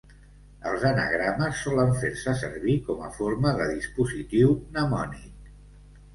Els anagrames solen fer-se servir com a forma de dispositiu mnemònic.